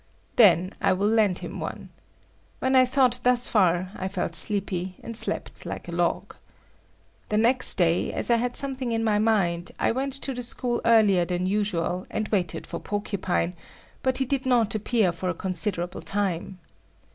Then I will land him one. When I thought thus far, I felt sleepy and slept like a log. The next day, as I had something in my mind, I went to the school earlier than usual and waited for Porcupine, but he did not appear for a considerable time.